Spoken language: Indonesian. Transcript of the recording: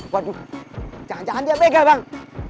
waduh jangan jangan dia mega bang